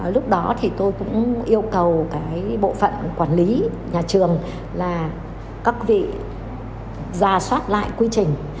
lúc đó tôi cũng yêu cầu bộ phận quản lý nhà trường là các vị ra soát lại quy trình